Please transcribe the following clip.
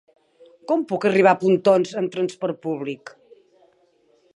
Com puc arribar a Pontons amb trasport públic?